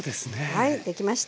はいできました。